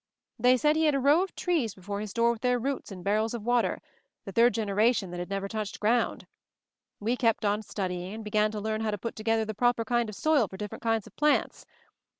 They said he had a row of trees before his door with their roots in barrels of water — the third generation that had never touched ground. We kept on studying, and began to learn how to put to gether the proper kind of soil for different kinds of plants.